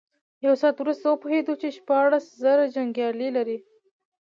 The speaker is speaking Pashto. يو ساعت وروسته وپوهېد چې شپاړس زره جنيګالي لري.